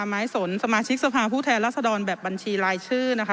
ไม้สนสมาชิกสภาผู้แทนรัศดรแบบบัญชีรายชื่อนะคะ